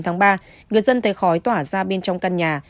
người dân thấy khói tỏa ra bên trong căn nhà